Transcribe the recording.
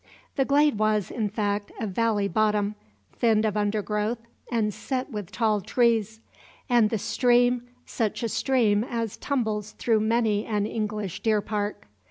The glade was, in fact, a valley bottom, thinned of undergrowth and set with tall trees; and the stream such a stream as tumbles through many an English deer park.